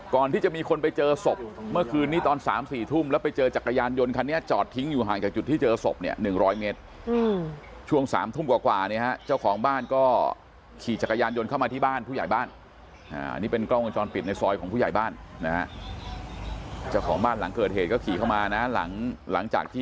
ก่อนที่จะมีคนไปเจอศพเมื่อคืนนี้ตอน๓๔ทุ่มแล้วไปเจอจักรยานยนต์คันนี้จอดทิ้งอยู่ห่างจากจุดที่เจอศพเนี่ย๑๐๐เมตรช่วง๓ทุ่มกว่าเนี่ยฮะเจ้าของบ้านก็ขี่จักรยานยนต์เข้ามาที่บ้านผู้ใหญ่บ้านอันนี้เป็นกล้องวงจรปิดในซอยของผู้ใหญ่บ้านนะฮะเจ้าของบ้านหลังเกิดเหตุก็ขี่เข้ามานะหลังจากที่